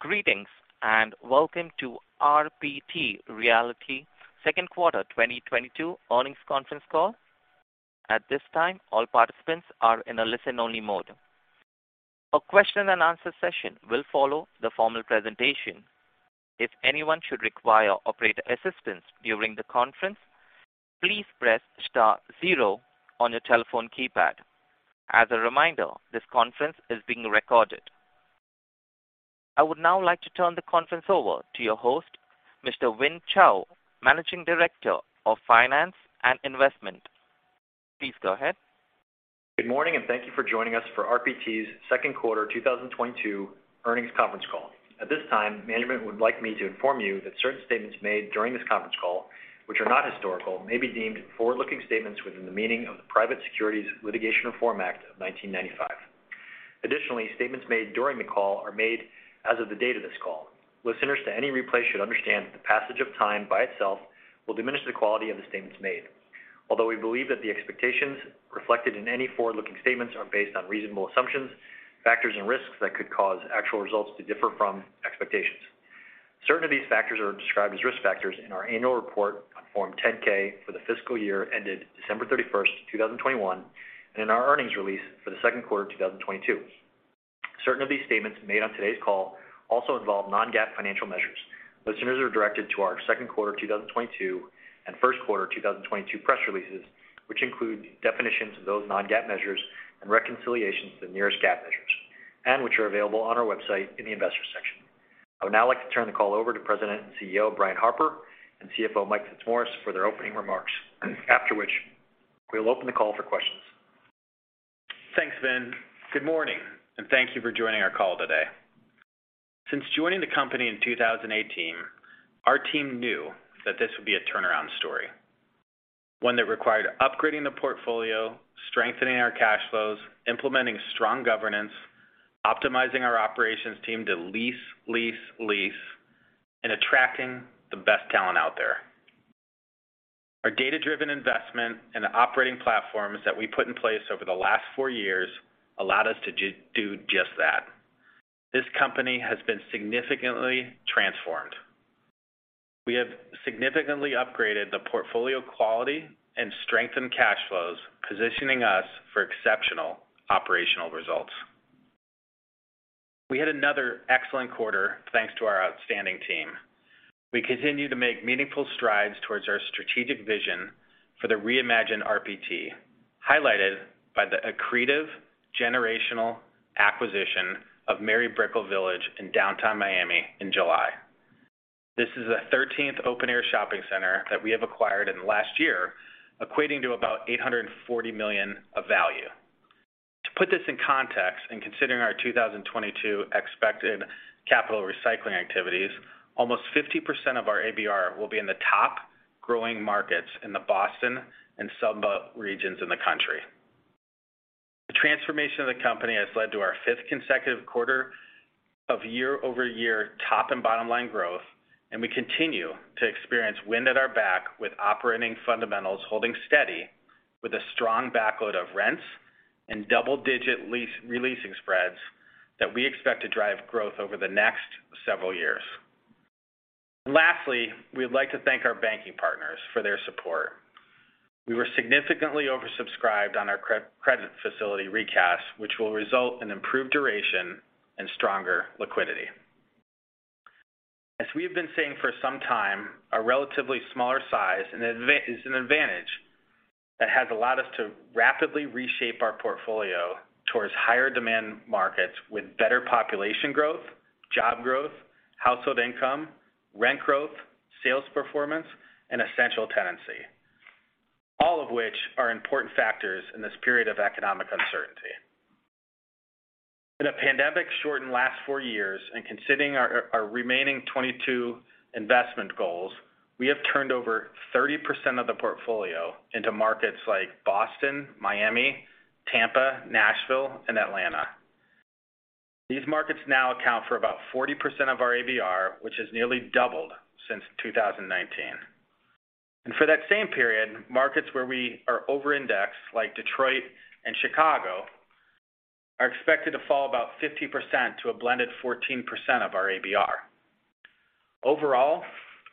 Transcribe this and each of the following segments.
Greetings, and welcome to RPT Realty second quarter 2022 earnings conference call. At this time, all participants are in a listen-only mode. A question and answer session will follow the formal presentation. If anyone should require operator assistance during the conference, please press star zero on your telephone keypad. As a reminder, this conference is being recorded. I would now like to turn the conference over to your host, Mr. Vin Chao, Managing Director of Finance and Investment. Please go ahead. Good morning, and thank you for joining us for RPT's second quarter 2022 earnings conference call. At this time, management would like me to inform you that certain statements made during this conference call, which are not historical, may be deemed forward-looking statements within the meaning of the Private Securities Litigation Reform Act of 1995. Additionally, statements made during the call are made as of the date of this call. Listeners to any replay should understand that the passage of time by itself will diminish the quality of the statements made. Although we believe that the expectations reflected in any forward-looking statements are based on reasonable assumptions, factors and risks that could cause actual results to differ from expectations. Certain of these factors are described as risk factors in our annual report on Form 10-K for the fiscal year ended December 31, 2021, and in our earnings release for the second quarter of 2022. Certain of these statements made on today's call also involve non-GAAP financial measures. Listeners are directed to our second quarter 2022 and first quarter 2022 press releases, which include definitions of those non-GAAP measures and reconciliations to the nearest GAAP measures, and which are available on our website in the Investors section. I would now like to turn the call over to President and CEO Brian Harper, and CFO Mike Fitzmaurice, for their opening remarks, after which we'll open the call for questions. Thanks, Vin. Good morning, and thank you for joining our call today. Since joining the company in 2018, our team knew that this would be a turnaround story, one that required upgrading the portfolio, strengthening our cash flows, implementing strong governance, optimizing our operations team to lease, lease, and attracting the best talent out there. Our data-driven investment and the operating platforms that we put in place over the last four years allowed us to do just that. This company has been significantly transformed. We have significantly upgraded the portfolio quality and strengthened cash flows, positioning us for exceptional operational results. We had another excellent quarter, thanks to our outstanding team. We continue to make meaningful strides towards our strategic vision for the reimagined RPT, highlighted by the accretive generational acquisition of Mary Brickell Village in downtown Miami in July. This is the thirteenth open-air shopping center that we have acquired in the last year, equating to about $840 million of value. To put this in context, in considering our 2022 expected capital recycling activities, almost 50% of our ABR will be in the top growing markets in the Boston and Sunbelt regions in the country. The transformation of the company has led to our fifth consecutive quarter of year-over-year top and bottom line growth, and we continue to experience wind at our back with operating fundamentals holding steady with a strong backlog of rents and double-digit leasing spreads that we expect to drive growth over the next several years. Lastly, we would like to thank our banking partners for their support. We were significantly oversubscribed on our credit facility recast, which will result in improved duration and stronger liquidity. As we have been saying for some time, a relatively smaller size is an advantage that has allowed us to rapidly reshape our portfolio towards higher demand markets with better population growth, job growth, household income, rent growth, sales performance, and essential tenancy, all of which are important factors in this period of economic uncertainty. In a pandemic-shortened last four years, and considering our remaining 22 investment goals, we have turned over 30% of the portfolio into markets like Boston, Miami, Tampa, Nashville, and Atlanta. These markets now account for about 40% of our ABR, which has nearly doubled since 2019. For that same period, markets where we are overindexed, like Detroit and Chicago, are expected to fall about 50% to a blended 14% of our ABR. Overall,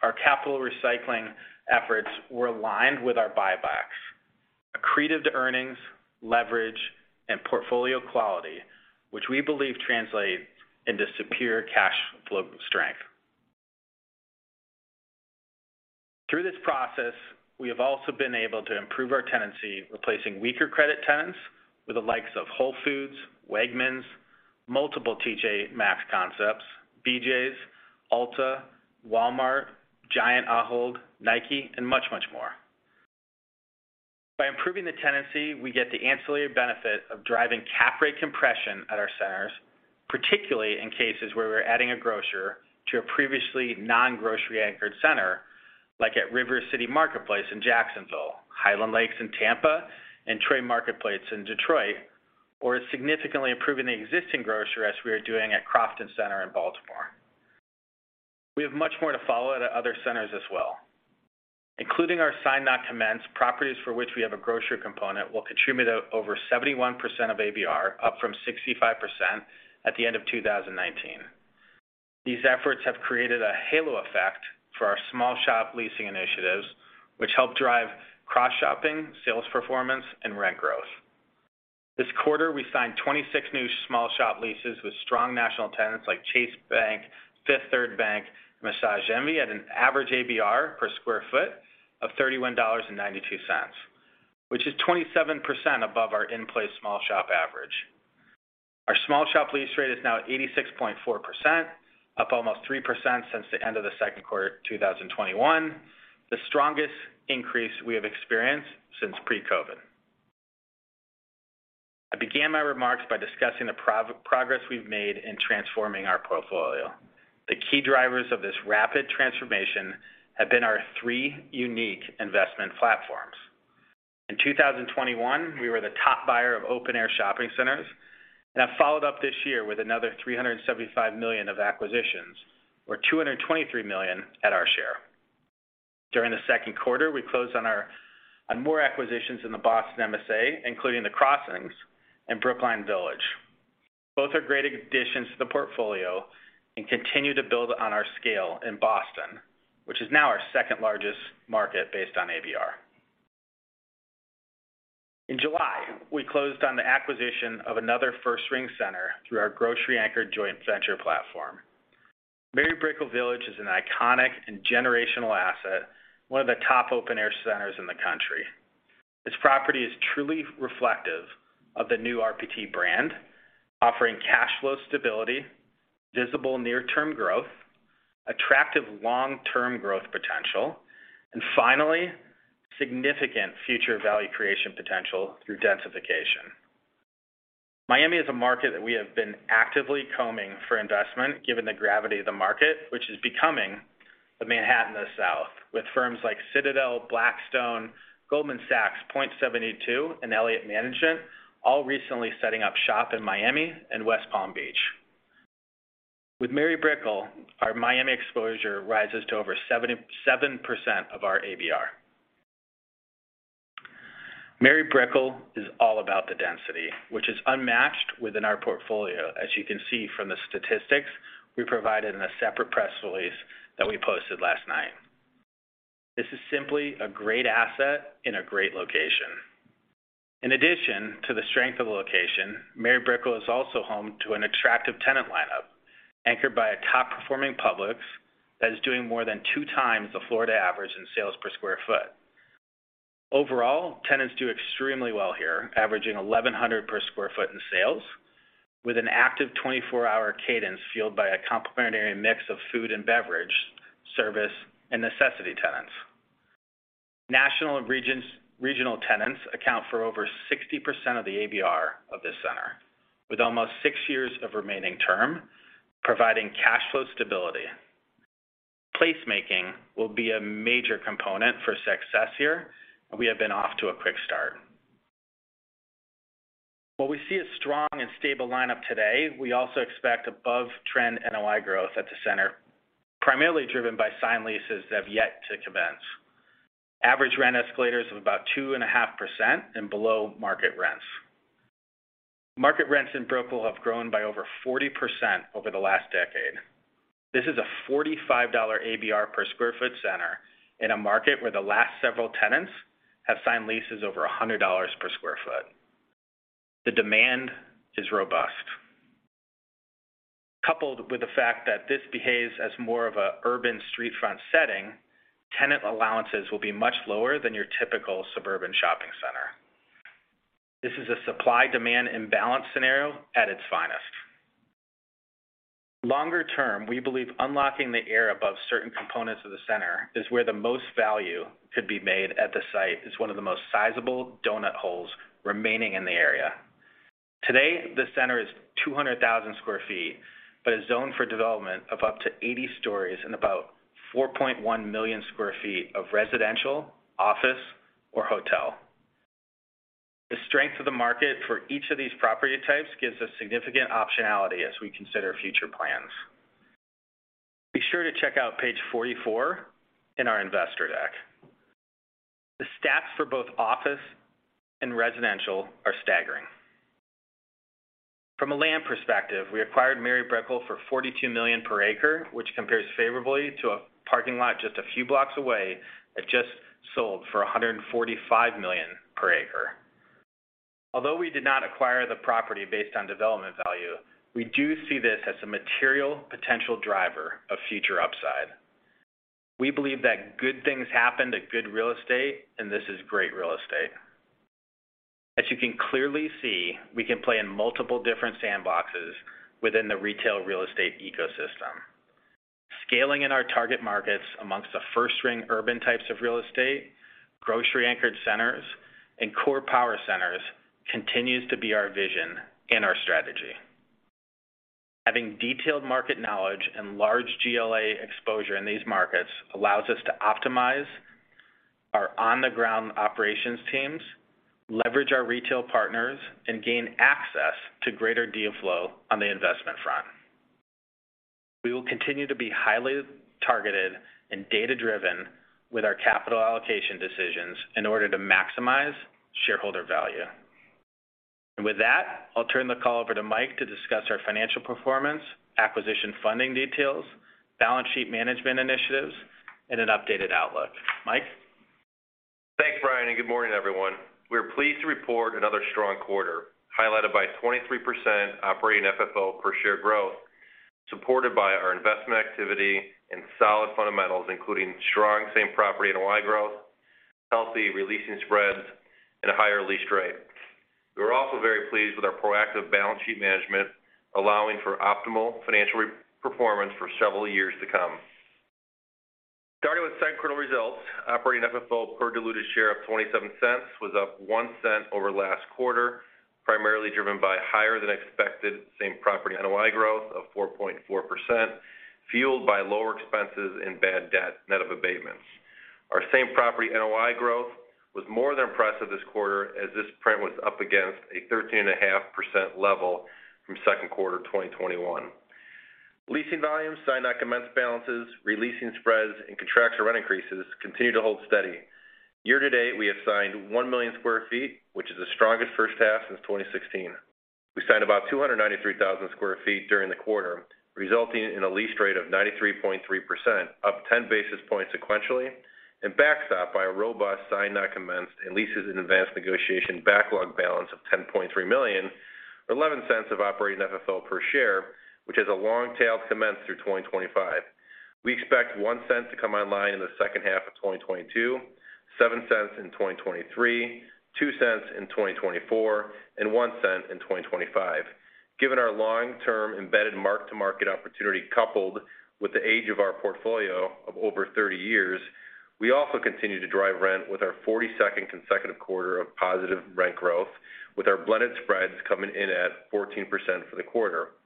our capital recycling efforts were aligned with our buybacks, accreted to earnings, leverage, and portfolio quality, which we believe translate into superior cash flow strength. Through this process, we have also been able to improve our tenancy, replacing weaker credit tenants with the likes of Whole Foods, Wegmans, multiple TJ Maxx concepts, BJ's, Ulta, Walmart, Giant Ahold, Nike, and much, much more. By improving the tenancy, we get the ancillary benefit of driving cap rate compression at our centers, particularly in cases where we're adding a grocer to a previously non-grocery anchored center, like at River City Marketplace in Jacksonville, Highland Lakes in Tampa, and Troy Marketplace in Detroit, or significantly improving the existing grocer as we are doing at Crofton Center in Baltimore. We have much more to follow at other centers as well. Including our signed not commenced, properties for which we have a grocery component will contribute over 71% of ABR, up from 65% at the end of 2019. These efforts have created a halo effect for our small shop leasing initiatives, which help drive cross shopping, sales performance, and rent growth. This quarter, we signed 26 new small shop leases with strong national tenants like Chase Bank, Fifth Third Bank, Massage Envy, at an average ABR per square foot of $31.92, which is 27 above our in-place small shop average. Our small shop lease rate is now at 86.4%, up almost 3% since the end of the second quarter 2021, the strongest increase we have experienced since pre-COVID. I began my remarks by discussing the progress we've made in transforming our portfolio. The key drivers of this rapid transformation have been our three unique investment platforms. In 2021, we were the top buyer of open-air shopping centers, and have followed up this year with another $375 million of acquisitions, or $223 million at our share. During the second quarter, we closed on more acquisitions in the Boston MSA, including The Crossings and Brookline Village. Both are great additions to the portfolio and continue to build on our scale in Boston, which is now our second-largest market based on ABR. In July, we closed on the acquisition of another first ring center through our grocery-anchored joint venture platform. Mary Brickell Village is an iconic and generational asset, one of the top open-air centers in the country. This property is truly reflective of the new RPT brand, offering cash flow stability, visible near term growth, attractive long-term growth potential, and finally, significant future value creation potential through densification. Miami is a market that we have been actively combing for investment given the gravity of the market, which is becoming the Manhattan of the South, with firms like Citadel, Blackstone, Goldman Sachs, Point72, and Elliott Investment Management all recently setting up shop in Miami and West Palm Beach. With Mary Brickell, our Miami exposure rises to over 77% of our ABR. Mary Brickell is all about the density, which is unmatched within our portfolio, as you can see from the statistics we provided in a separate press release that we posted last night. This is simply a great asset in a great location. In addition to the strength of the location, Mary Brickell is also home to an attractive tenant lineup anchored by a top-performing Publix that is doing more than 2 times the Florida average in sales per sq ft. Overall, tenants do extremely well here, averaging 1,100 per sq ft in sales with an active 24-hour cadence fueled by a complementary mix of food and beverage, service, and necessity tenants. National and regional tenants account for over 60% of the ABR of this center, with almost 6 years of remaining term, providing cash flow stability. Placemaking will be a major component for success here, and we have been off to a quick start. While we see a strong and stable lineup today, we also expect above trend NOI growth at the center, primarily driven by signed leases that have yet to commence. Average rent escalators of about 2.5% and below market rents. Market rents in Brickell have grown by over 40% over the last decade. This is a $45 ABR per sq ft center in a market where the last several tenants have signed leases over $100 per sq ft. The demand is robust. Coupled with the fact that this behaves as more of an urban storefront setting, tenant allowances will be much lower than your typical suburban shopping center. This is a supply demand imbalance scenario at its finest. Longer term, we believe unlocking the air above certain components of the center is where the most value could be made at the site as one of the most sizable donut holes remaining in the area. Today, the center is 200,000 sq ft, but a zone for development of up to 80 stories and about 4.1 million sq ft of residential, office, or hotel. The strength of the market for each of these property types gives us significant optionality as we consider future plans. Be sure to check out page 44 in our investor deck. The stats for both office and residential are staggering. From a land perspective, we acquired Mary Brickell for $42 million per acre, which compares favorably to a parking lot just a few blocks away that just sold for $145 million per acre. Although we did not acquire the property based on development value, we do see this as a material potential driver of future upside. We believe that good things happen to good real estate, and this is great real estate. As you can clearly see, we can play in multiple different sandboxes within the retail real estate ecosystem. Scaling in our target markets among the first ring urban types of real estate, grocery anchored centers, and core power centers continues to be our vision and our strategy. Having detailed market knowledge and large GLA exposure in these markets allows us to optimize. Our on-the-ground operations teams leverage our retail partners and gain access to greater deal flow on the investment front. We will continue to be highly targeted and data-driven with our capital allocation decisions in order to maximize shareholder value. With that, I'll turn the call over to Mike to discuss our financial performance, acquisition funding details, balance sheet management initiatives, and an updated outlook. Mike? Thanks, Brian, and good morning, everyone. We are pleased to report another strong quarter, highlighted by 23% operating FFO per share growth, supported by our investment activity and solid fundamentals, including strong same property NOI growth, healthy releasing spreads, and a higher lease rate. We are also very pleased with our proactive balance sheet management, allowing for optimal financial re-performance for several years to come. Starting with second quarter results, operating FFO per diluted share of $0.27 was up $0.01 over last quarter, primarily driven by higher than expected same property NOI growth of 4.4%, fueled by lower expenses and bad debt net of abatements. Our same property NOI growth was more than impressive this quarter as this print was up against a 13.5% level from second quarter of 2021. Leasing volumes signed on commence balances, releasing spreads, and contracts or rent increases continue to hold steady. Year to date, we have signed 1 million sq ft, which is the strongest first half since 2016. We signed about 293,000 sq ft during the quarter, resulting in a lease rate of 93.3%, up 10 basis points sequentially and backstop by a robust signed not commenced and leases in advanced negotiation backlog balance of 10.3 million, or $0.11 of operating FFO per share, which is a long tail to commence through 2025. We expect $0.01 to come online in the second half of 2022, $0.07 in 2023, $0.02 in 2024, and $0.01 in 2025. Given our long-term embedded mark-to-market opportunity coupled with the age of our portfolio of over 30 years, we also continue to drive rent with our 42nd consecutive quarter of positive rent growth with our blended spreads coming in at 14% for the quarter.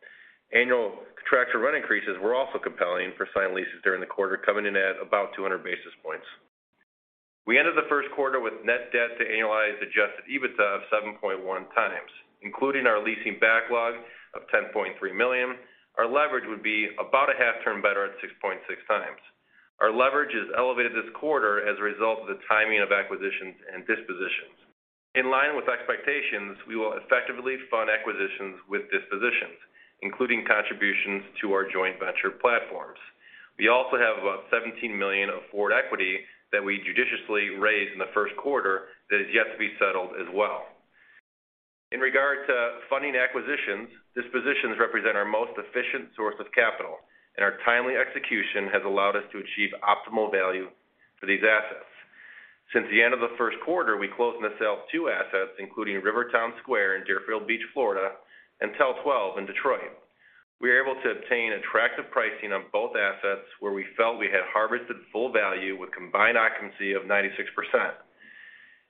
Annual contractual rent increases were also compelling for signed leases during the quarter, coming in at about 200 basis points. We ended the first quarter with net debt to annualized adjusted EBITDA of 7.1 times, including our leasing backlog of $10.3 million. Our leverage would be about half a turn better at 6.6 times. Our leverage is elevated this quarter as a result of the timing of acquisitions and dispositions. In line with expectations, we will effectively fund acquisitions with dispositions, including contributions to our joint venture platforms. We also have about $17 million of forward equity that we judiciously raised in the first quarter that is yet to be settled as well. In regard to funding acquisitions, dispositions represent our most efficient source of capital, and our timely execution has allowed us to achieve optimal value for these assets. Since the end of the first quarter, we closed on the sale of 2 assets, including Rivertown Square in Deerfield Beach, Florida, and Tel-Twelve in Southfield, Michigan. We were able to obtain attractive pricing on both assets where we felt we had harvested full value with combined occupancy of 96%.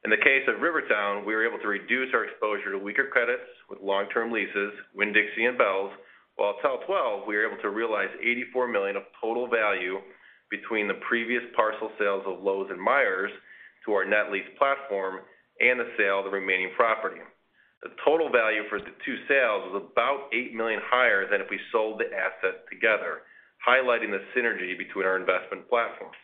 In the case of Rivertown, we were able to reduce our exposure to weaker credits with long-term leases, Winn-Dixie and Bealls. While at Tel-Twelve, we were able to realize $84 million of total value between the previous parcel sales of Lowe's and Meijer to our net lease platform and the sale of the remaining property. The total value for the two sales was about $8 million higher than if we sold the assets together, highlighting the synergy between our investment platforms.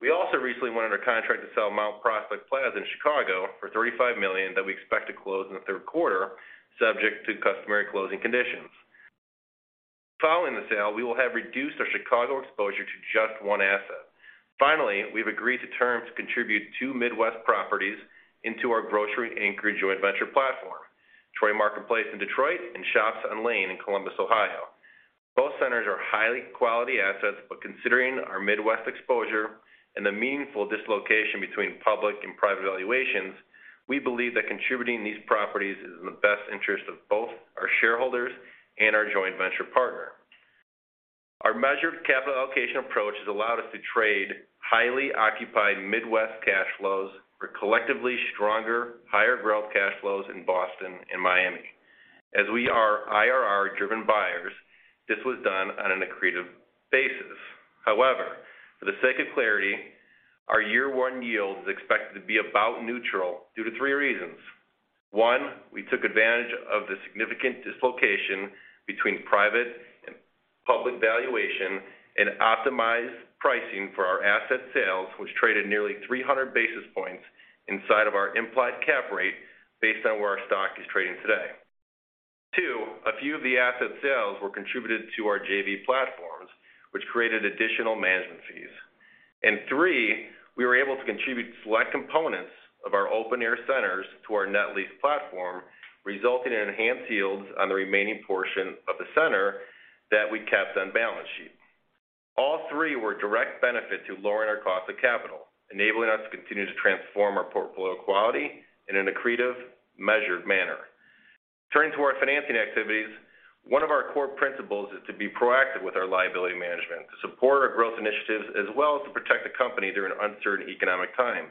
We also recently went under contract to sell Mount Prospect Plaza in Chicago for $35 million that we expect to close in the third quarter, subject to customary closing conditions. Following the sale, we will have reduced our Chicago exposure to just one asset. Finally, we've agreed to terms to contribute 2 Midwest properties into our grocery-anchored joint venture platform, Troy Marketplace in Detroit and The Shops on Lane Avenue in Columbus, Ohio. Both centers are high quality assets, but considering our Midwest exposure and the meaningful dislocation between public and private valuations, we believe that contributing these properties is in the best interest of both our shareholders and our joint venture partner. Our measured capital allocation approach has allowed us to trade highly occupied Midwest cash flows for collectively stronger, higher growth cash flows in Boston and Miami. As we are IRR-driven buyers, this was done on an accretive basis. However, for the sake of clarity, our year one yield is expected to be about neutral due to three reasons. One, we took advantage of the significant dislocation between private and public valuation and optimized pricing for our asset sales, which traded nearly 300 basis points inside of our implied cap rate based on where our stock is trading today. Two, a few of the asset sales were contributed to our JV platforms, which created additional management fees. Three, we were able to contribute select components of our open air centers to our net lease platform, resulting in enhanced yields on the remaining portion of the center that we kept on balance sheet. All three were a direct benefit to lowering our cost of capital, enabling us to continue to transform our portfolio quality in an accretive, measured manner. Turning to our financing activities, one of our core principles is to be proactive with our liability management to support our growth initiatives as well as to protect the company during uncertain economic times.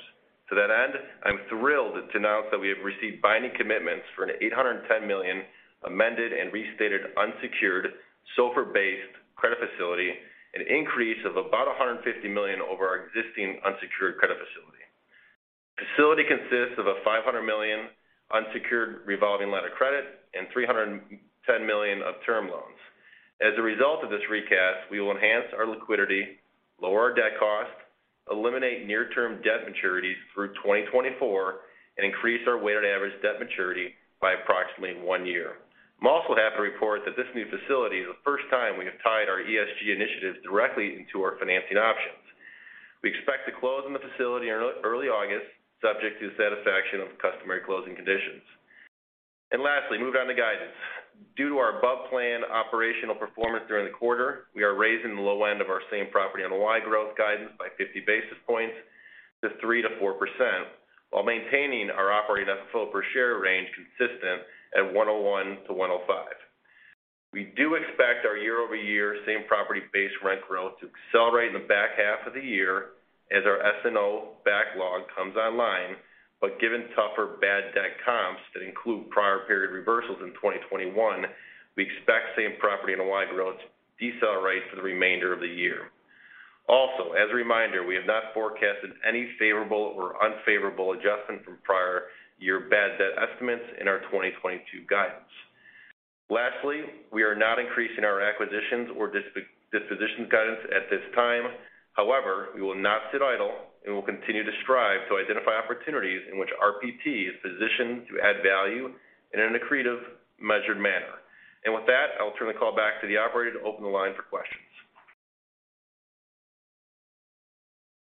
To that end, I'm thrilled to announce that we have received binding commitments for an $810 million amended and restated unsecured SOFR-based credit facility, an increase of about $150 million over our existing unsecured credit facility. Facility consists of a $500 million unsecured revolving letter of credit and $310 million of term loans. As a result of this recast, we will enhance our liquidity, lower our debt cost, eliminate near term debt maturities through 2024, and increase our weighted average debt maturity by approximately one year. I'm also happy to report that this new facility is the first time we have tied our ESG initiatives directly into our financing options. We expect to close on the facility in early August, subject to the satisfaction of customary closing conditions. Lastly, moving on to guidance. Due to our above-plan operational performance during the quarter, we are raising the low end of our same property NOI growth guidance by 50 basis points to 3%-4% while maintaining our operating FFO per share range consistent at $1.01-$1.05. We do expect our year-over-year same property-based rent growth to accelerate in the back half of the year as our SNO backlog comes online. Given tougher bad debt comps that include prior period reversals in 2021, we expect same property on a Y growth to decelerate for the remainder of the year. Also, as a reminder, we have not forecasted any favorable or unfavorable adjustment from prior year bad debt estimates in our 2022 guidance. Lastly, we are not increasing our acquisitions or dispositions guidance at this time. However, we will not sit idle, and we'll continue to strive to identify opportunities in which RPT is positioned to add value in an accretive, measured manner. With that, I'll turn the call back to the operator to open the line for questions.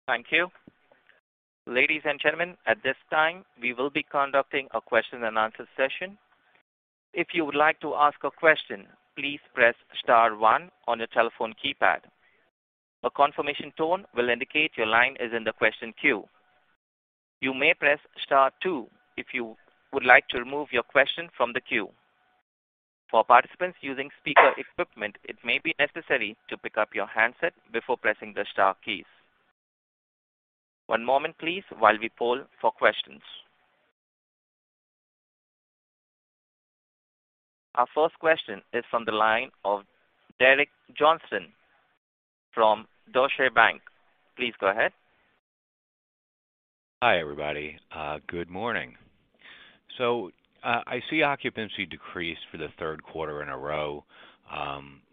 Thank you. Ladies and gentlemen, at this time, we will be conducting a question-and-answer session. If you would like to ask a question, please press star one on your telephone keypad. A confirmation tone will indicate your line is in the question queue. You may press star two if you would like to remove your question from the queue. For participants using speaker equipment, it may be necessary to pick up your handset before pressing the star keys. One moment please while we poll for questions. Our first question is from the line of Derek Johnston from Deutsche Bank. Please go ahead. Hi, everybody. Good morning. I see occupancy decrease for the third quarter in a row,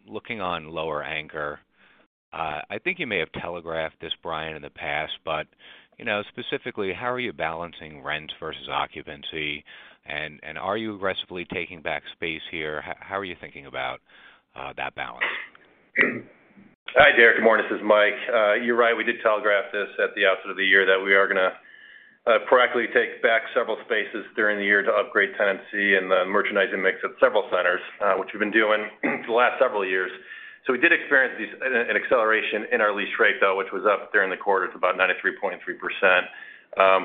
looking at Lowe's anchor. I think you may have telegraphed this, Brian, in the past, but you know, specifically, how are you balancing rent versus occupancy? And are you aggressively taking back space here? How are you thinking about that balance? Hi, Derek. Good morning. This is Mike. You're right. We did telegraph this at the outset of the year that we are gonna proactively take back several spaces during the year to upgrade tenancy and the merchandising mix of several centers, which we've been doing the last several years. We did experience an acceleration in our leased rate, though, which was up during the quarter. It's about 93.3%.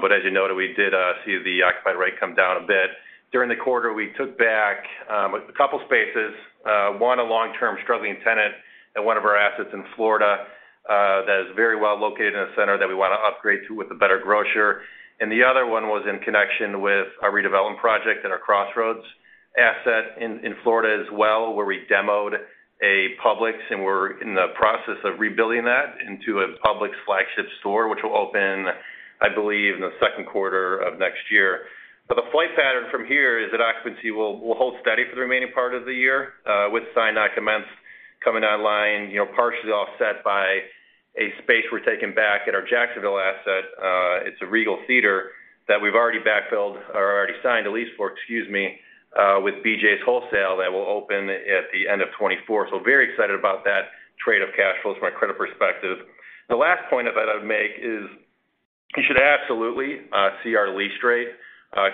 But as you noted, we did see the occupied rate come down a bit. During the quarter, we took back a couple spaces. One, a long-term struggling tenant at one of our assets in Florida, that is very well located in a center that we wanna upgrade to with a better grocer. The other one was in connection with a redevelopment project at our Crossroads asset in Florida as well, where we demoed a Publix, and we're in the process of rebuilding that into a Publix flagship store, which will open, I believe, in the second quarter of next year. The flight pattern from here is that occupancy will hold steady for the remaining part of the year, with signed not commenced coming online, you know, partially offset by a space we're taking back at our Jacksonville asset. It's a Regal Cinemas that we've already backfilled or already signed a lease for, excuse me, with BJ's Wholesale Club that will open at the end of 2024. Very excited about that trade of cash flows from a credit perspective. The last point that I'd make is you should absolutely see our lease rate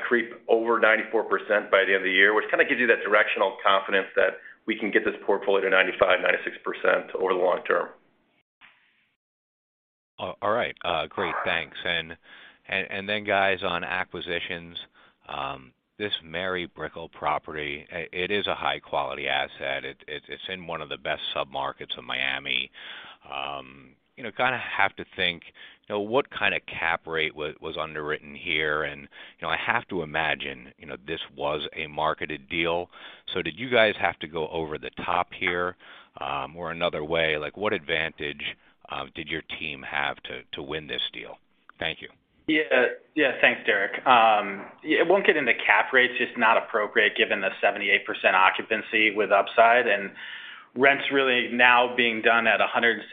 creep over 94% by the end of the year, which kind of gives you that directional confidence that we can get this portfolio to 95%-96% over the long term. All right. Great. Thanks. Then guys, on acquisitions, this Mary Brickell property, it is a high-quality asset. It's in one of the best submarkets of Miami. You know, kind of have to think, you know, what kind of cap rate was underwritten here. You know, I have to imagine, you know, this was a marketed deal. Did you guys have to go over the top here? Or another way, like, what advantage did your team have to win this deal? Thank you. Thanks, Derek. I won't get into cap rates. Just not appropriate given the 78% occupancy with upside. Rent's really now being done at $117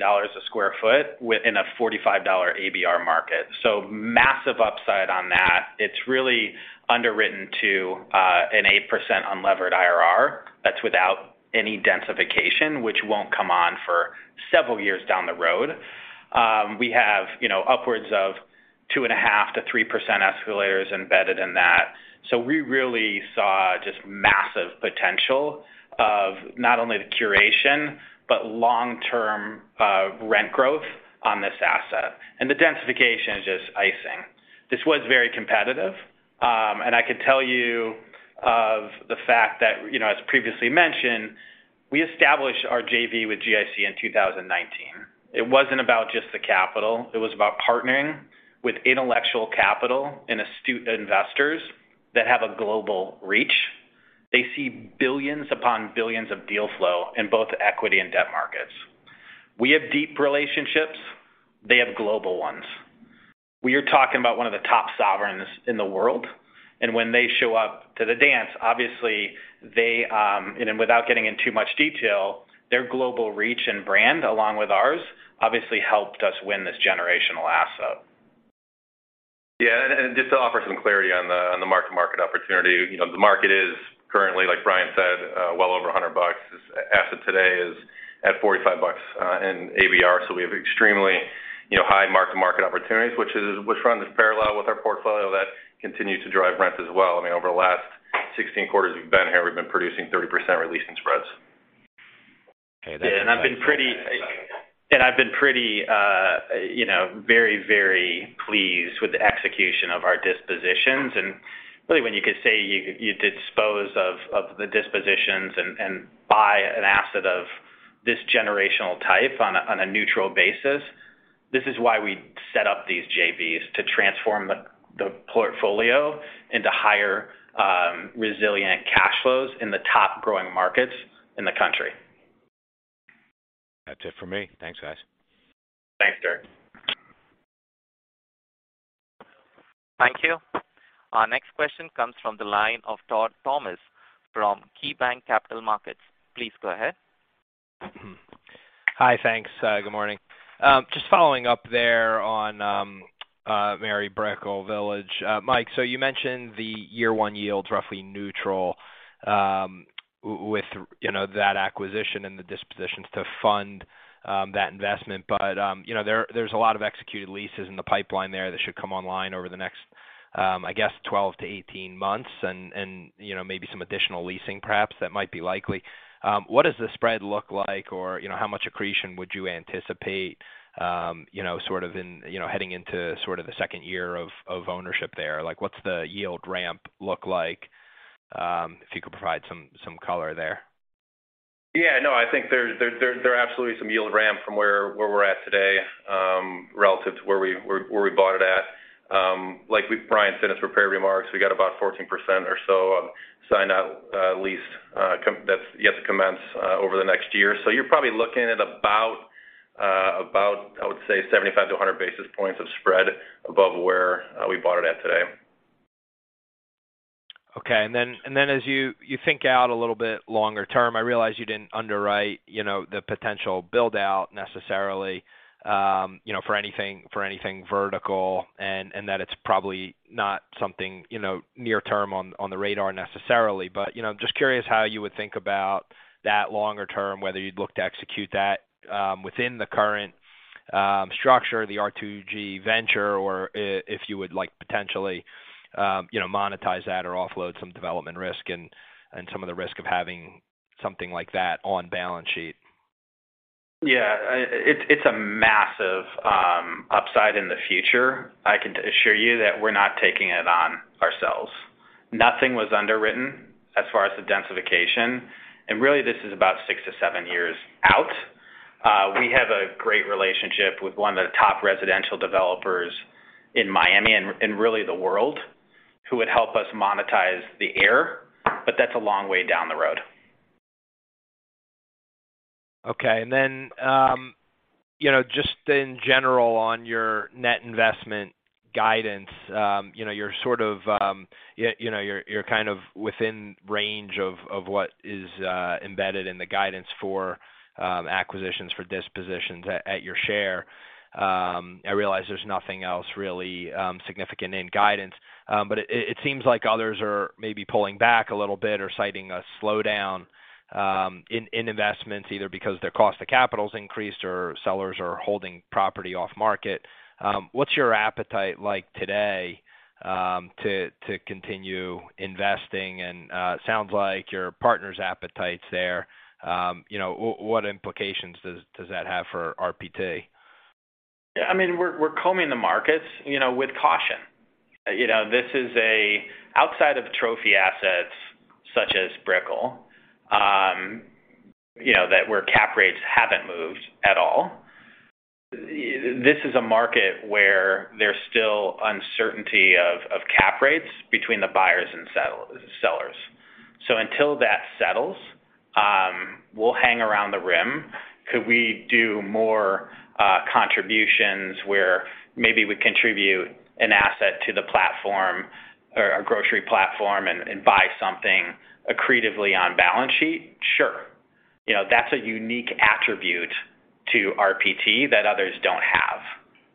a sq ft within a $45 ABR market. So massive upside on that. It's really underwritten to an 8% unlevered IRR. That's without any densification, which won't come on for several years down the road. We have upwards of 2.5%-3% escalators embedded in that. So we really saw just massive potential of not only the curation, but long-term rent growth on this asset. The densification is just icing. This was very competitive. I can tell you the fact that, as previously mentioned, we established our JV with GIC in 2019. It wasn't about just the capital, it was about partnering with intellectual capital and astute investors that have a global reach. They see billions upon billions of deal flow in both equity and debt markets. We have deep relationships. They have global ones. We are talking about one of the top sovereigns in the world, and when they show up to the dance, obviously they, and without getting in too much detail, their global reach and brand, along with ours, obviously helped us win this generational asset. Just to offer some clarity on the mark-to-market opportunity. You know, the market is currently, like Brian said, well over $100. This asset today is at $45 in ABR. So we have extremely, you know, high mark-to-market opportunities, which runs parallel with our portfolio that continues to drive rent as well. I mean, over the last 16 quarters we've been here, we've been producing 30% releasing spreads. Yeah. I've been pretty, you know, very, very pleased with the execution of our dispositions. Really, when you could say you dispose of the dispositions and buy an asset of this generational type on a neutral basis, this is why we set up these JVs, to transform the portfolio into higher resilient cash flows in the top growing markets in the country. That's it for me. Thanks, guys. Thanks, Dirk. Thank you. Our next question comes from the line of Todd Thomas from KeyBanc Capital Markets. Please go ahead. Hi. Thanks. Good morning. Just following up there on Mary Brickell Village. Mike, so you mentioned the year 1 yields roughly neutral, with, you know, that acquisition and the dispositions to fund that investment. You know, there's a lot of executed leases in the pipeline there that should come online over the next, I guess 12-18 months and you know, maybe some additional leasing perhaps that might be likely. What does the spread look like or, you know, how much accretion would you anticipate, you know, sort of in you know, heading into sort of the second year of ownership there? Like, what's the yield ramp look like? If you could provide some color there. Yeah. No. I think there are absolutely some yield ramp from where we're at today, relative to where we bought it at. Like Brian said in his prepared remarks, we got about 14% or so of signed not commenced, that's yet to commence, over the next year. You're probably looking at about, I would say, 75-100 basis points of spread above where we bought it at today. Okay. As you think out a little bit longer term, I realize you didn't underwrite, you know, the potential build out necessarily, you know, for anything vertical and that it's probably not something, you know, near term on the radar necessarily. You know, I'm just curious how you would think about that longer term, whether you'd look to execute that within the current structure of the R2G venture, or if you would like potentially, you know, monetize that or offload some development risk and some of the risk of having something like that on balance sheet. Yeah. It's a massive upside in the future. I can assure you that we're not taking it on ourselves. Nothing was underwritten as far as the densification, and really this is about 6-7 years out. We have a great relationship with one of the top residential developers in Miami and really the world, who would help us monetize the air, but that's a long way down the road. Okay. You know, just in general on your net investment guidance, you know, you're sort of you know, you're kind of within range of what is embedded in the guidance for acquisitions, for dispositions at your share. I realize there's nothing else really significant in guidance. It seems like others are maybe pulling back a little bit or citing a slowdown in investments, either because their cost of capital's increased or sellers are holding property off market. What's your appetite like today to continue investing? Sounds like your partner's appetite's there. You know, what implications does that have for RPT? Yeah, I mean, we're combing the markets, you know, with caution. You know, this is a market outside of trophy assets such as Brickell, you know, that where cap rates haven't moved at all. This is a market where there's still uncertainty of cap rates between the buyers and sellers. Until that settles, we'll hang around the rim. Could we do more contributions where maybe we contribute an asset to the platform or a grocery platform and buy something accretively on balance sheet? Sure. You know, that's a unique attribute to RPT that others don't have.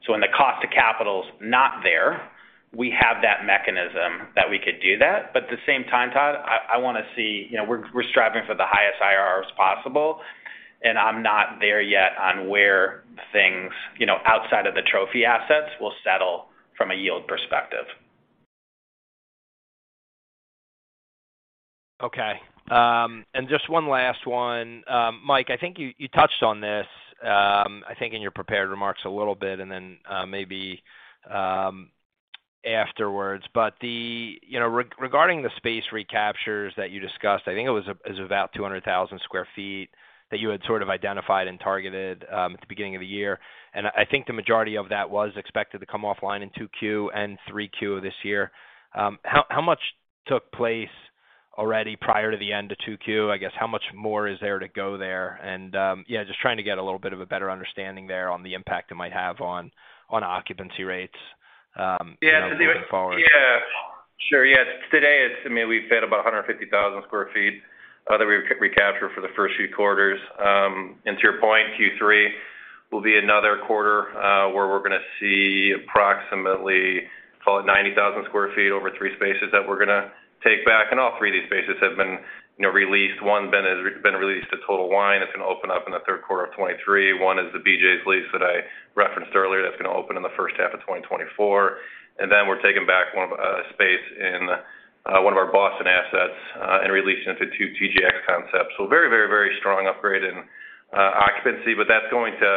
When the cost of capital's not there, we have that mechanism that we could do that. At the same time, Todd, I wanna see. You know, we're striving for the highest IRRs possible, and I'm not there yet on where things, you know, outside of the trophy assets will settle from a yield perspective. Okay. Just one last one. Mike, I think you touched on this, I think in your prepared remarks a little bit, and then, maybe. Afterwards. Regarding the space recaptures that you discussed, I think it is about 200,000 sq ft that you had sort of identified and targeted at the beginning of the year. I think the majority of that was expected to come offline in 2Q and 3Q this year. How much took place already prior to the end of 2Q? I guess how much more is there to go there? Yeah, just trying to get a little bit of a better understanding there on the impact it might have on occupancy rates, you know, moving forward. Yeah. Sure. Yes. Today, it's, I mean, we've had about 150,000 sq ft that we recaptured for the first few quarters. To your point, Q3 will be another quarter where we're gonna see approximately, call it 90,000 sq ft over three spaces that we're gonna take back. All three of these spaces have been, you know, re-leased. One has been re-leased to Total Wine. It's gonna open up in the third quarter of 2023. One is the BJ's lease that I referenced earlier. That's gonna open in the first half of 2024. Then we're taking back one space in one of our Boston assets and re-leased to two TJX concepts. So very strong upgrade in occupancy. That's going to,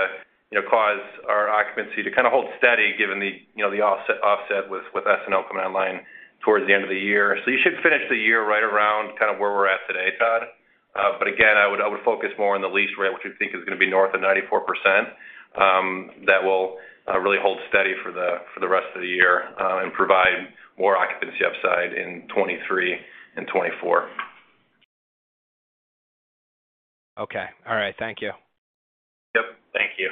you know, cause our occupancy to kind of hold steady given the, you know, the offset with S&L coming online towards the end of the year. You should finish the year right around kind of where we're at today, Todd. Again, I would focus more on the lease rate, which we think is gonna be north of 94%, that will really hold steady for the rest of the year, and provide more occupancy upside in 2023 and 2024. Okay. All right. Thank you. Yep. Thank you.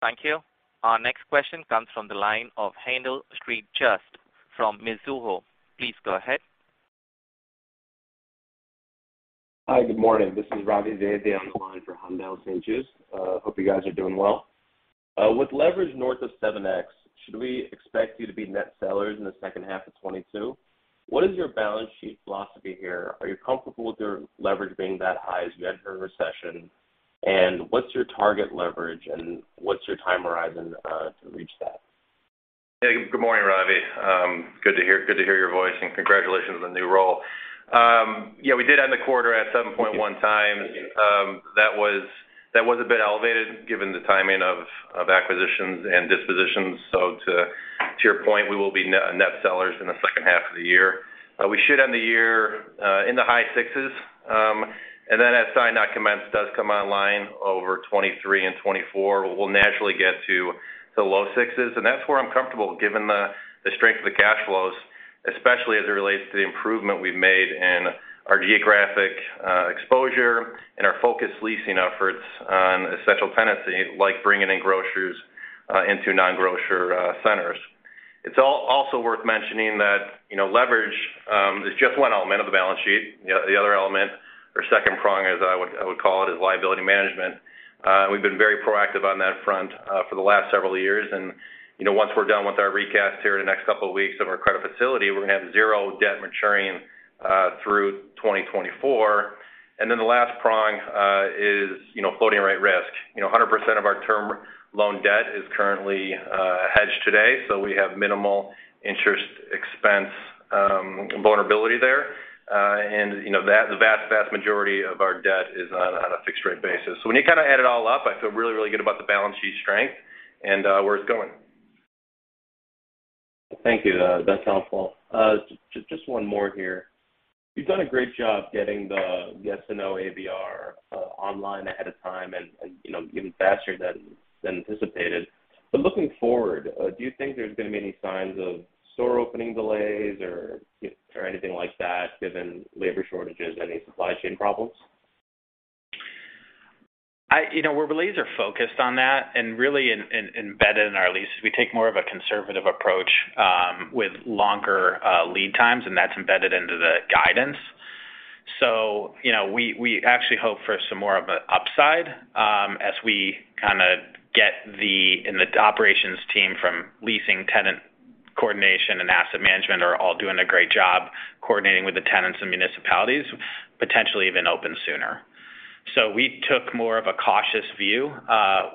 Thank you. Our next question comes from the line of Haendel St. Juste from Mizuho. Please go ahead. Hi. Good morning. This is Ravi Vaidya on the line for Haendel St. Juste. Hope you guys are doing well. With leverage north of 7x, should we expect you to be net sellers in the second half of 2022? What is your balance sheet philosophy here? Are you comfortable with your leverage being that high as we enter a recession? What's your target leverage and what's your time horizon to reach that? Hey, good morning, Ravi. Good to hear your voice and congratulations on the new role. Yeah, we did end the quarter at 7.1 times. That was a bit elevated given the timing of acquisitions and dispositions. To your point, we will be net sellers in the second half of the year. We should end the year in the high sixes. As signed not commenced does come online over 2023 and 2024, we'll naturally get to the low sixes. That's where I'm comfortable given the strength of the cash flows, especially as it relates to the improvement we've made in our geographic exposure and our focused leasing efforts on essential tenancy, like bringing in grocers into non-grocer centers. It's also worth mentioning that, you know, leverage is just one element of the balance sheet. You know, the other element or second prong, as I would call it, is liability management. We've been very proactive on that front for the last several years. You know, once we're done with our recast here in the next couple of weeks of our credit facility, we're gonna have zero debt maturing through 2024. The last prong is, you know, floating rate risk. You know, 100% of our term loan debt is currently hedged today, so we have minimal interest expense vulnerability there. You know, the vast majority of our debt is on a fixed-rate basis. When you kind of add it all up, I feel really, really good about the balance sheet strength and where it's going. Thank you. That's helpful. Just one more here. You've done a great job getting the SNO ABR online ahead of time and, you know, even faster than anticipated. Looking forward, do you think there's gonna be any signs of store opening delays or, you know, or anything like that given labor shortages, any supply chain problems? You know, we're really focused on that and really embedded in our leases. We take more of a conservative approach with longer lead times, and that's embedded into the guidance. You know, we actually hope for some more of a upside as the operations team from leasing, tenant coordination, and asset management are all doing a great job coordinating with the tenants and municipalities, potentially even open sooner. We took more of a cautious view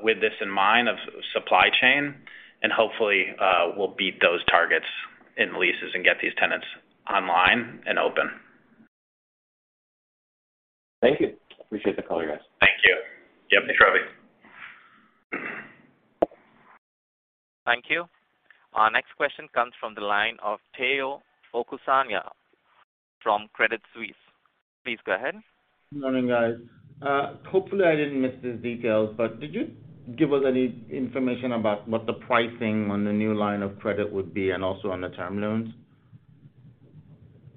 with this in mind of supply chain, and hopefully we'll beat those targets in leases and get these tenants online and open. Thank you. Appreciate the call, you guys. Thank you. Yep. Thanks, Ravi. Thank you. Our next question comes from the line of Tayo Okusanya from Credit Suisse. Please go ahead. Morning, guys. Hopefully, I didn't miss these details, but did you give us any information about what the pricing on the new line of credit would be and also on the term loans?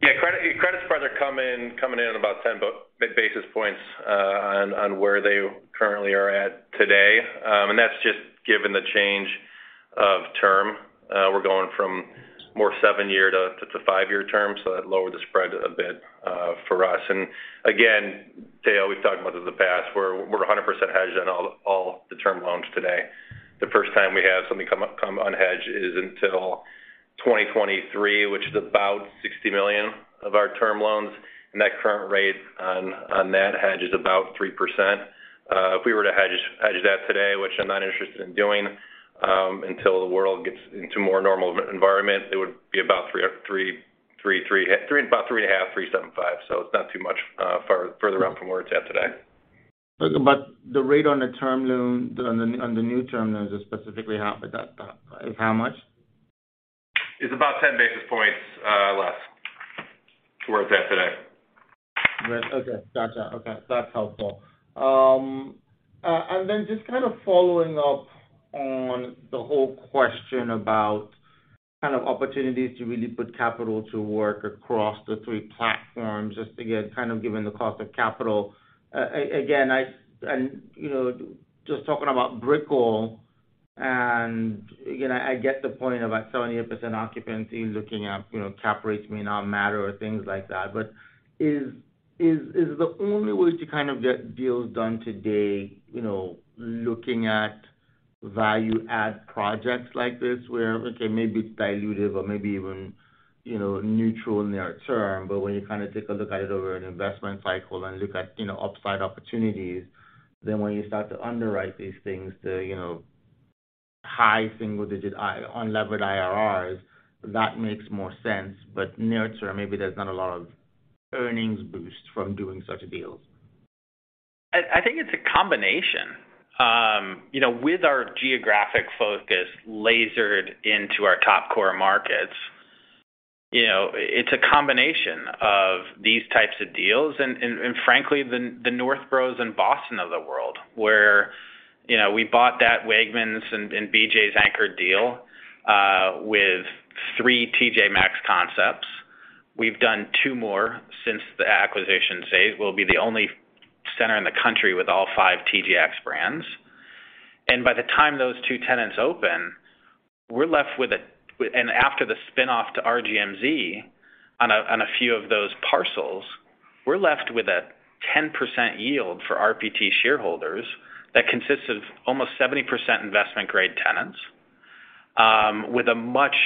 Credits probably coming in at about 10 basis points on where they currently are today. That's just given the change of term. We're going from more 7-year to 5-year term, so that lowered the spread a bit for us. Again, Teo, we've talked about this in the past, we're 100% hedged on all the term loans today. The first time we have something come unhedged is until 2023, which is about $60 million of our term loans. That current rate on that hedge is about 3%. If we were to hedge that today, which I'm not interested in doing until the world gets into more normal environment, it would be about 3.5, 3.75. It's not too much further out from where it's at today. The rate on the term loan, on the new term loans is specifically half of that. Is how much? It's about 10 basis points less than where it's at today. Okay. Gotcha. Okay, that's helpful. Just kind of following up on the whole question about kind of opportunities to really put capital to work across the three platforms, just again, kind of given the cost of capital. Again, you know, just talking about Brickell, and, you know, I get the point about 78% occupancy looking at, you know, cap rates may not matter or things like that. Is the only way to kind of get deals done today, you know, looking at value add projects like this where, okay, maybe it's dilutive or maybe even, you know, neutral near term, but when you kind of take a look at it over an investment cycle and look at, you know, upside opportunities, then when you start to underwrite these things, the, you know, high single digit unlevered IRRs, that makes more sense. Near term, maybe there's not a lot of earnings boost from doing such deals. I think it's a combination. You know, with our geographic focus lasered into our top core markets, you know, it's a combination of these types of deals and frankly the Northborough and Boston of the world, where you know, we bought that Wegmans and BJ's anchored deal with 3 TJ Maxx concepts. We've done 2 more since the acquisition phase. We'll be the only center in the country with all 5 TJX brands. By the time those 2 tenants open, after the spin-off to RGMZ on a few of those parcels, we're left with a 10% yield for RPT shareholders that consists of almost 70% investment-grade tenants with a much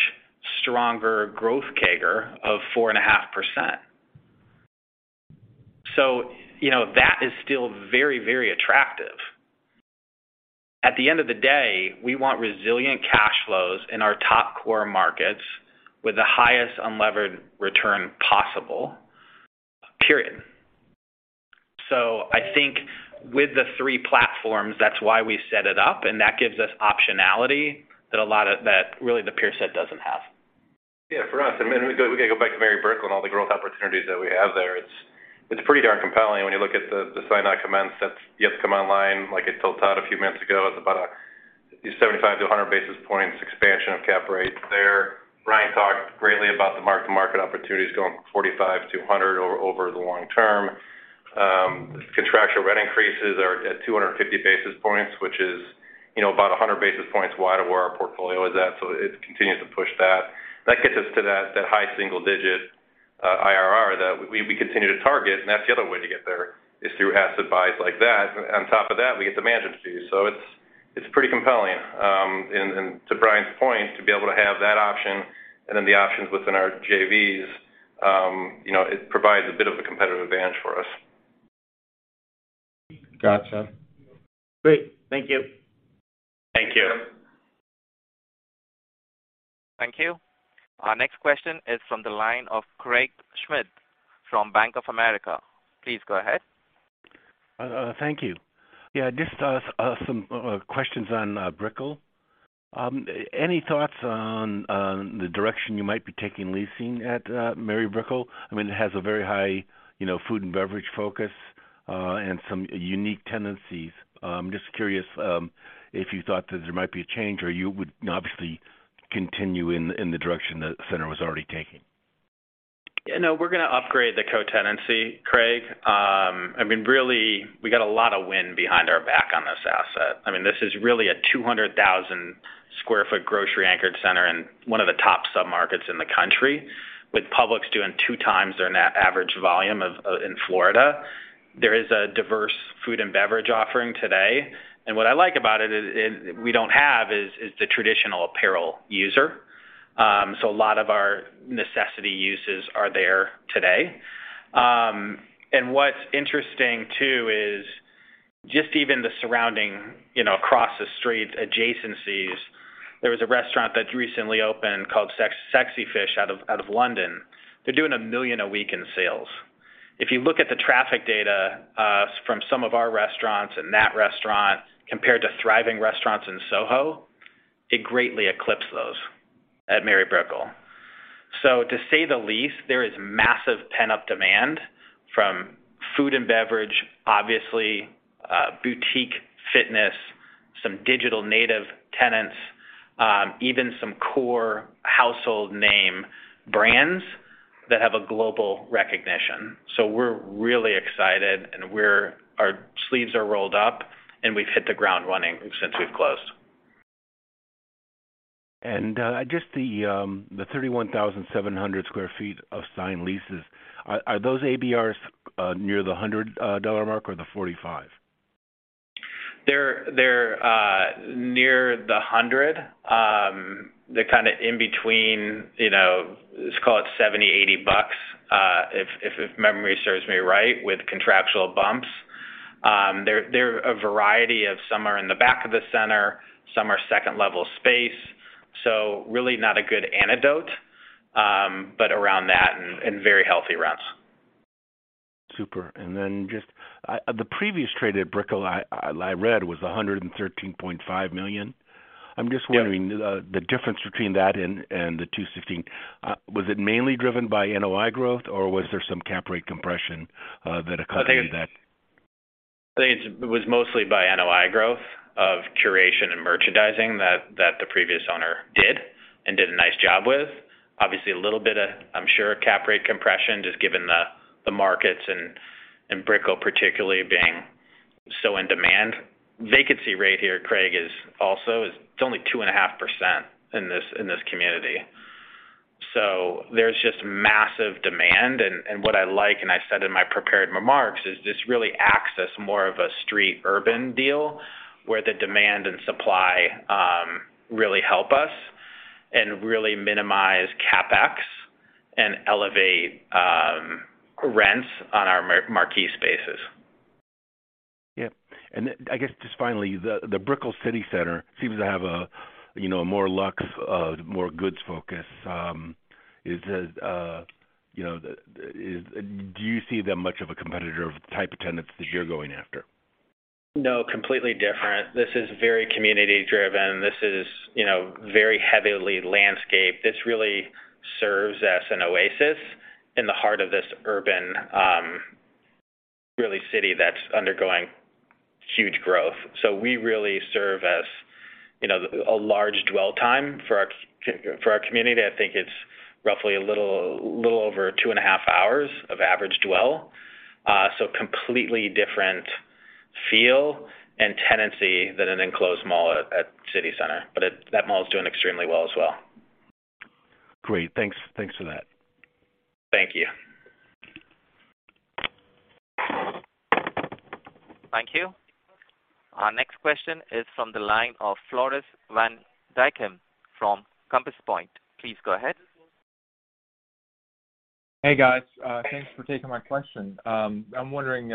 stronger growth CAGR of 4.5%. You know, that is still very, very attractive. At the end of the day, we want resilient cash flows in our top core markets with the highest unlevered return possible, period. I think with the three platforms, that's why we set it up, and that gives us optionality that really the peer set doesn't have. Yeah, for us, I mean, we go, we gotta go back to Mary Brickell and all the growth opportunities that we have there. It's pretty darn compelling when you look at the signed not commenced that's yet to come online. Like I told Todd a few minutes ago, it's about a 75-100 basis points expansion of cap rates there. Brian talked greatly about the mark-to-market opportunities going from 45 to 100 over the long term. Contractual rent increases are at 250 basis points, which is, you know, about 100 basis points wide of where our portfolio is at. It continues to push that. That gets us to that high single digit IRR that we continue to target, and that's the other way to get there, is through asset buys like that. On top of that, we get the management fee. It's pretty compelling. And to Brian's point, to be able to have that option and then the options within our JVs, you know, it provides a bit of a competitive advantage for us. Gotcha. Great. Thank you. Thank you. Thank you. Our next question is from the line of Craig Schmidt from Bank of America. Please go ahead. Thank you. Yeah, just some questions on Brickell. Any thoughts on the direction you might be taking leasing at Mary Brickell? I mean, it has a very high, you know, food and beverage focus and some unique tenancies. Just curious if you thought that there might be a change or you would obviously continue in the direction the center was already taking. No, we're gonna upgrade the co-tenancy, Craig. I mean, really, we got a lot of wind behind our back on this asset. I mean, this is really a 200,000 sq ft grocery-anchored center in one of the top submarkets in the country, with Publix doing 2x their national average volume in Florida. There is a diverse food and beverage offering today. What I like about it is we don't have the traditional apparel user. So a lot of our necessity uses are there today. What's interesting too is just even the surrounding, you know, across the street adjacencies. There was a restaurant that recently opened called Sexy Fish out of London. They're doing $1 million a week in sales. If you look at the traffic data, from some of our restaurants and that restaurant compared to thriving restaurants in SoHo, it greatly eclipsed those at Mary Brickell. To say the least, there is massive pent-up demand from food and beverage, obviously, boutique fitness, some digital native tenants, even some core household name brands that have a global recognition. We're really excited, and our sleeves are rolled up, and we've hit the ground running since we've closed. Just the 31,700 sq ft of signed leases, are those ABRs near the $100 dollar mark or the $45? They're near $100. They're kind of in between, you know, let's call it $70-$80, if memory serves me right, with contractual bumps. They're a variety of some are in the back of the center, some are second-level space. So really not a good indicator, but around that and very healthy rents. Super. Just, the previous trade at Brickell I read was $113.5 million. Yeah. I'm just wondering the difference between that and the 216. Was it mainly driven by NOI growth, or was there some cap rate compression that accounted for that? It was mostly by NOI growth of curation and merchandising that the previous owner did a nice job with. Obviously a little bit of, I'm sure cap rate compression just given the markets and Brickell particularly being so in demand. Vacancy rate here, Craig, is also. It's only 2.5% in this community. So there's just massive demand. What I like, and I said in my prepared remarks, is this really acts as more of a street urban deal where the demand and supply really help us and really minimize CapEx and elevate rents on our marquis spaces. Yeah. I guess just finally, the Brickell City Center seems to have a you know, more luxe, more goods focus. You know, do you see them as much of a competitor of the type of tenants that you're going after? No, completely different. This is very community-driven. This is, you know, very heavily landscaped. This really serves as an oasis in the heart of this urban, really city that's undergoing huge growth. We really serve as, you know, a large dwell time for our community. I think it's roughly a little over 2.5 hours of average dwell. Completely different feel and tenancy than an enclosed mall at City Center. That mall is doing extremely well as well. Great. Thanks. Thanks for that. Thank you. Thank you. Our next question is from the line of Floris van Dijkum from Compass Point. Please go ahead. Hey, guys. Thanks for taking my question. I'm wondering,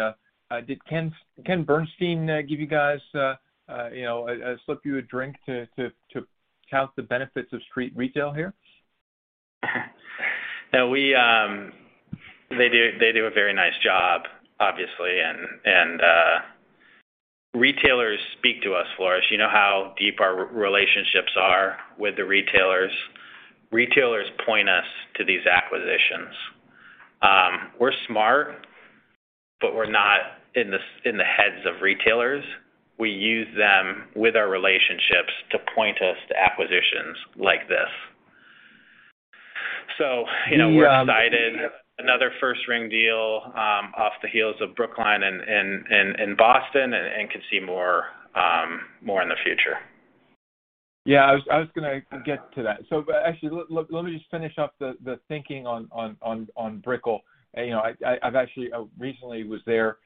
did Ken, Kenneth Bernstein, give you guys, you know, slip you a drink to tout the benefits of street retail here? No, we, they do a very nice job, obviously. Retailers speak to us, Floris. You know how deep our relationships are with the retailers. Retailers point us to these acquisitions. We're smart, but we're not in the heads of retailers. We use them with our relationships to point us to acquisitions like this. You know We, uh- We're excited. Another first ring deal off the heels of Brookline and Boston and we can see more in the future. Yeah, I was gonna get to that. But actually, let me just finish up the thinking on Brickell. You know, I've actually recently been there.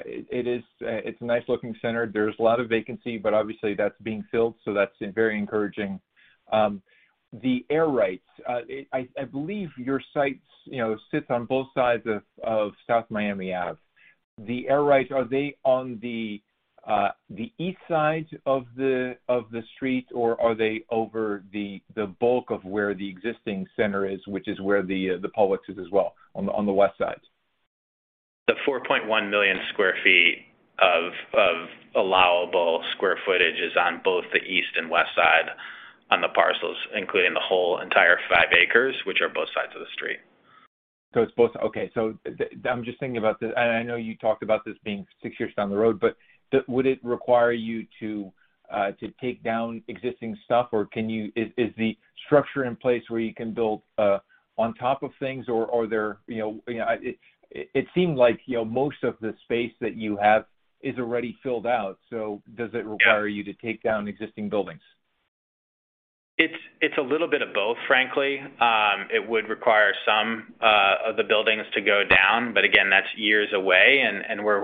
It's a nice looking center. There's a lot of vacancy, but obviously that's being filled, so that's very encouraging. The air rights, I believe your sites sits on both sides of South Miami Ave. The air rights, are they on the east side of the street, or are they over the bulk of where the existing center is, which is where the Publix is as well on the west side? The 4.1 million sq ft of allowable square footage is on both the east and west side on the parcels, including the whole entire 5 acres, which are both sides of the street. I'm just thinking about this. I know you talked about this being six years down the road, but would it require you to take down existing stuff, or can you? Is the structure in place where you can build on top of things or there? You know, it seems like most of the space that you have is already filled out, so does it Yeah. Require you to take down existing buildings? It's a little bit of both, frankly. It would require some of the buildings to go down. Again, that's years away, and we'll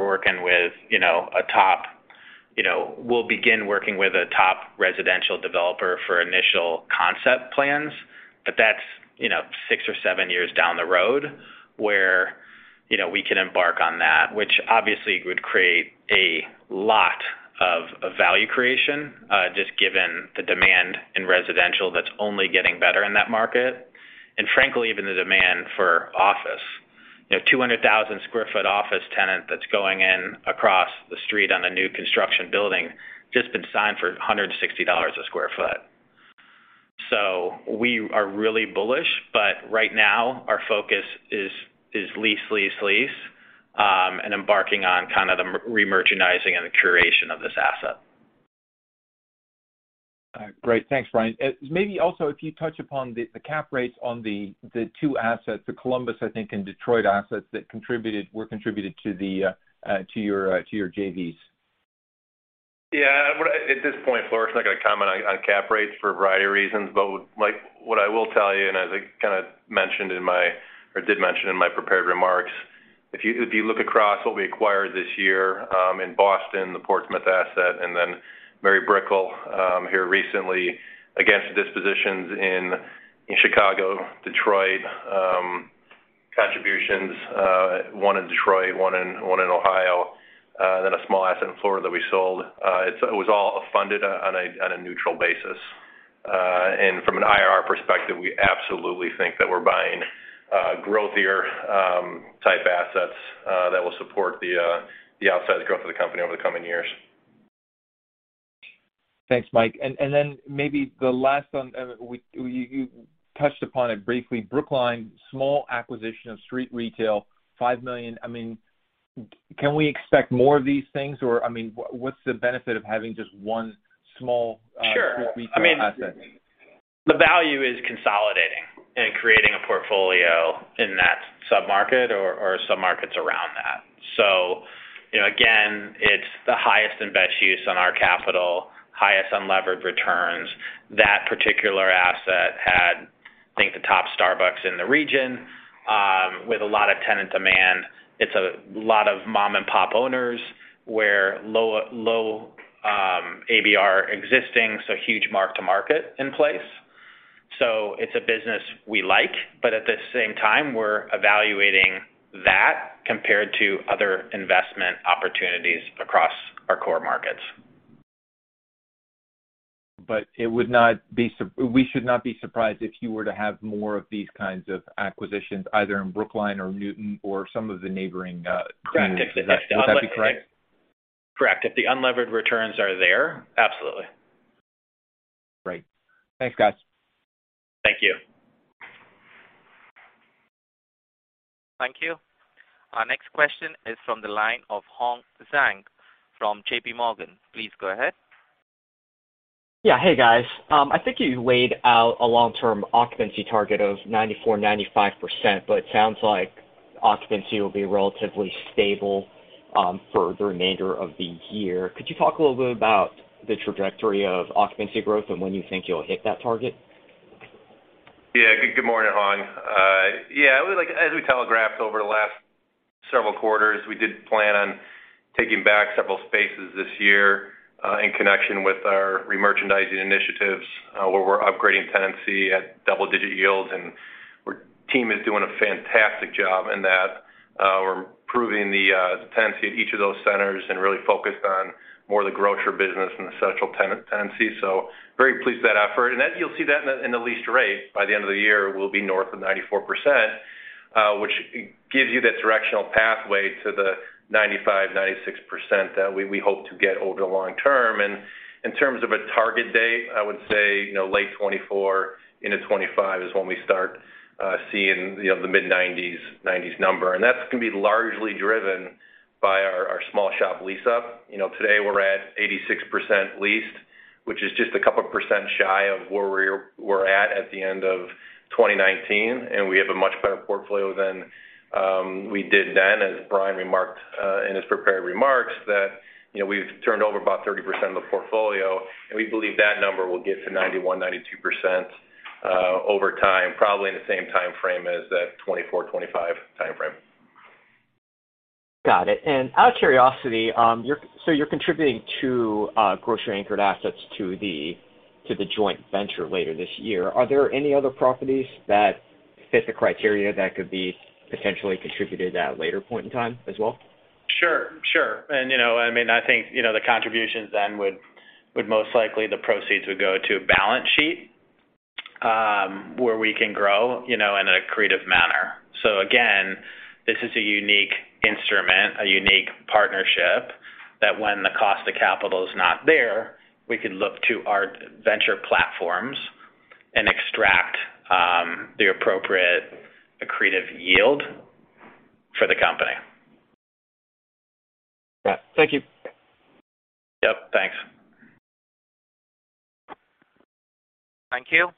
begin working with a top residential developer for initial concept plans. That's six or seven years down the road where you know, we can embark on that, which obviously would create a lot of value creation just given the demand in residential that's only getting better in that market. Frankly, even the demand for office. You know, 200,000 sq ft office tenant that's going in across the street on a new construction building just been signed for $160 a sq ft. We are really bullish, but right now our focus is lease, and embarking on kind of the re-merchandising and the curation of this asset. All right. Great. Thanks, Bryan. Maybe also if you touch upon the cap rates on the two assets, the Columbus, I think, and Detroit assets that were contributed to your JVs. Yeah. At this point, Floris, I'm not gonna comment on cap rates for a variety of reasons. Like, what I will tell you, and as I did mention in my prepared remarks, if you look across what we acquired this year, in Boston, the Portsmouth asset, and then Mary Brickell here recently against the dispositions in Chicago, Detroit. One in Detroit, one in Ohio, then a small asset in Florida that we sold. It was all funded on a neutral basis. From an IRR perspective, we absolutely think that we're buying growthier type assets that will support the outsized growth of the company over the coming years. Thanks, Mike. Maybe the last one, you touched upon it briefly. Brookline, small acquisition of street retail, $5 million. I mean, can we expect more of these things or, I mean, what's the benefit of having just one small- Sure. street retail asset? I mean, the value is consolidating and creating a portfolio in that sub-market or sub-markets around that. You know, again, it's the highest and best use on our capital, highest unlevered returns. That particular asset had, I think, the top Starbucks in the region with a lot of tenant demand. It's a lot of mom-and-pop owners where low ABR existing, so huge mark to market in place. It's a business we like, but at the same time, we're evaluating that compared to other investment opportunities across our core markets. We should not be surprised if you were to have more of these kinds of acquisitions, either in Brookline or Newton or some of the neighboring communities. Correct. Would that be correct? Correct. If the unlevered returns are there, absolutely. Great. Thanks, guys. Thank you. Thank you. Our next question is from the line of Hong Zhang from JPMorgan. Please go ahead. Yeah. Hey, guys. I think you laid out a long-term occupancy target of 94%-95%, but it sounds like occupancy will be relatively stable for the remainder of the year. Could you talk a little bit about the trajectory of occupancy growth and when you think you'll hit that target? Yeah. Good morning, Hong. Yeah, like, as we telegraphed over the last several quarters, we did plan on taking back several spaces this year, in connection with our remerchandising initiatives, where we're upgrading tenancy at double-digit yields. Our team is doing a fantastic job in that. We're improving the tenancy at each of those centers and really focused on more of the grocer business and the central tenant tenancy. Very pleased with that effort. That you'll see that in the leased rate. By the end of the year, we'll be north of 94%, which gives you that directional pathway to the 95%, 96% that we hope to get over the long term. In terms of a target date, I would say, you know, late 2024 into 2025 is when we start seeing, you know, the mid-90s, 90s number. That's gonna be largely driven by our small shop lease-up. You know, today we're at 86% leased, which is just a couple percent shy of where we're at at the end of 2019, and we have a much better portfolio than we did then. As Brian remarked in his prepared remarks that, you know, we've turned over about 30% of the portfolio, and we believe that number will get to 91%-92% over time, probably in the same timeframe as that 2024-2025 timeframe. Got it. Out of curiosity, so you're contributing to grocery-anchored assets to the joint venture later this year. Are there any other properties that fit the criteria that could be potentially contributed at a later point in time as well? Sure, sure. You know, I mean, I think, you know, the contributions then would most likely the proceeds would go to a balance sheet, where we can grow, you know, in a creative manner. Again, this is a unique instrument, a unique partnership that when the cost of capital is not there, we can look to our venture platforms and extract, the appropriate accretive yield for the company. Got it. Thank you. Yep, thanks. Thank you.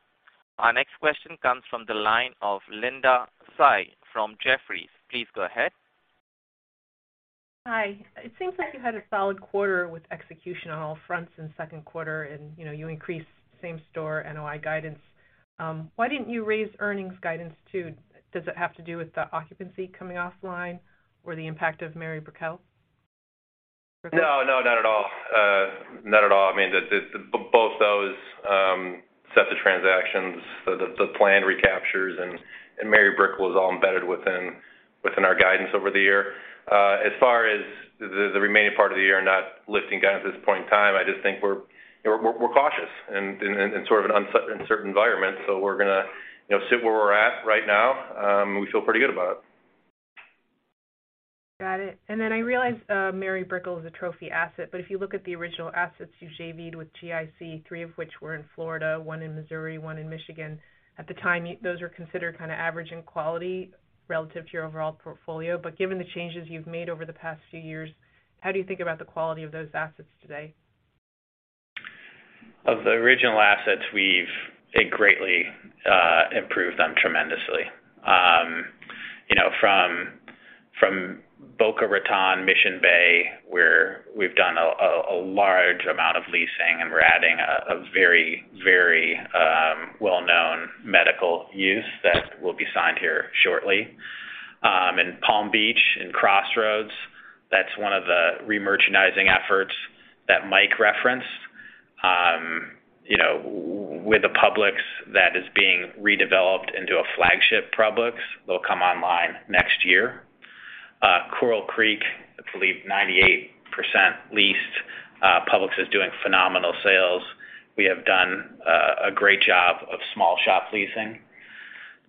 Our next question comes from the line of Linda Tsai from Jefferies. Please go ahead. Hi. It seems like you had a solid quarter with execution on all fronts in second quarter and, you know, you increased same store NOI guidance. Why didn't you raise earnings guidance too? Does it have to do with the occupancy coming offline or the impact of Mary Brickell? No, not at all. I mean, both those sets of transactions, the planned recaptures and Mary Brickell was all embedded within our guidance over the year. As far as the remaining part of the year not lifting guidance at this point in time, I just think we're, you know, cautious in sort of an uncertain environment. We're gonna, you know, sit where we're at right now. We feel pretty good about it. Got it. I realize Mary Brickell is a trophy asset, but if you look at the original assets you JV'd with GIC, three of which were in Florida, one in Missouri, one in Michigan. At the time, those were considered kind of average in quality relative to your overall portfolio. Given the changes you've made over the past few years, how do you think about the quality of those assets today? Of the original assets, we've, I think, greatly improved them tremendously. You know, from Boca Raton, Mission Bay, where we've done a large amount of leasing, and we're adding a very well-known medical use that will be signed here shortly. In Palm Beach, in Crossroads, that's one of the remerchandising efforts that Mike referenced. You know, with the Publix that is being redeveloped into a flagship Publix, they'll come online next year. Coral Creek, I believe 98% leased. Publix is doing phenomenal sales. We have done a great job of small shop leasing.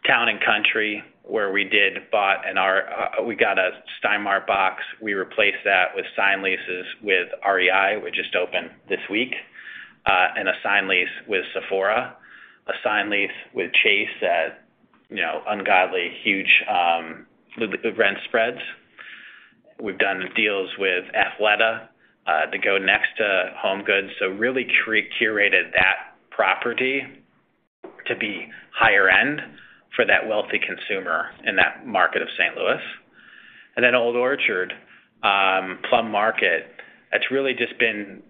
Town and Country, where we got a Stein Mart box. We replaced that with signed leases with REI, which just opened this week, and a signed lease with Sephora, a signed lease with Chase at, you know, ungodly huge rent spreads. We've done deals with Athleta to go next to HomeGoods. Really curated that property to be higher end for that wealthy consumer in that market of St. Louis. Then Old Orchard, Plum Market, that's really just been,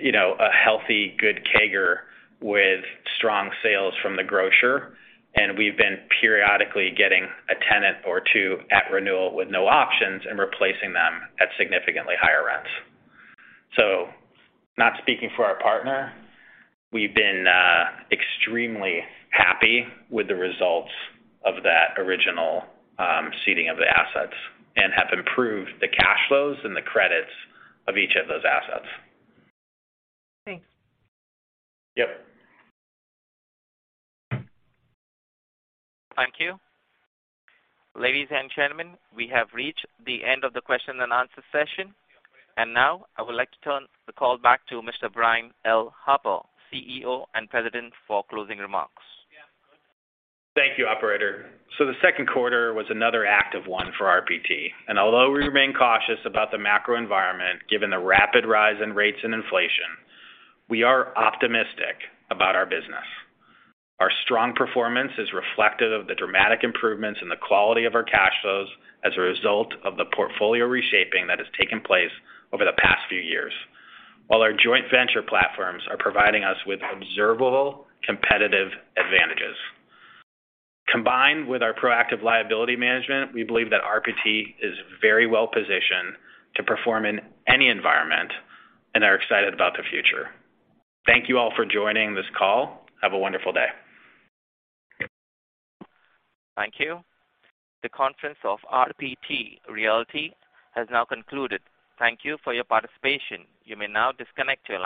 you know, a healthy, good CAGR with strong sales from the grocer. We've been periodically getting a tenant or two at renewal with no options and replacing them at significantly higher rents. Not speaking for our partner, we've been extremely happy with the results of that original seeding of the assets and have improved the cash flows and the credits of each of those assets. Thanks. Yep. Thank you. Ladies and gentlemen, we have reached the end of the question and answer session. Now I would like to turn the call back to Mr. Brian L. Harper, CEO and President, for closing remarks. Thank you, operator. The second quarter was another active one for RPT, and although we remain cautious about the macro environment, given the rapid rise in rates and inflation, we are optimistic about our business. Our strong performance is reflective of the dramatic improvements in the quality of our cash flows as a result of the portfolio reshaping that has taken place over the past few years. While our joint venture platforms are providing us with observable competitive advantages, combined with our proactive liability management, we believe that RPT is very well-positioned to perform in any environment and are excited about the future. Thank you all for joining this call. Have a wonderful day. Thank you. The conference of RPT Realty has now concluded. Thank you for your participation. You may now disconnect your line.